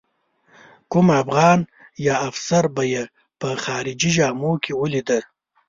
کوم افغان یا افسر به یې په خارجي جامو کې ولیده.